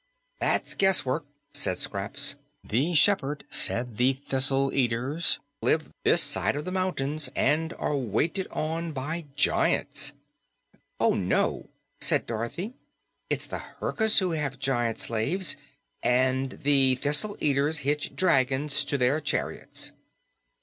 "That's guesswork," said Scraps. "The shepherd said the Thistle Eaters live this side of the mountains and are waited on by giants." "Oh no," said Dorothy, "it's the Herkus who have giant slaves, and the Thistle Eaters hitch dragons to their chariots."